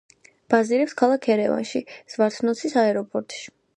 ბაზირებს ქალაქ ერევანში, ზვართნოცის აეროპორტში.